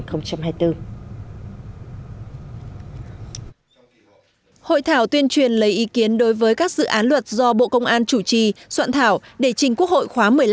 hội thảo tuyên truyền lấy ý kiến đối với các dự án luật do bộ công an chủ trì soạn thảo để trình quốc hội khóa một mươi năm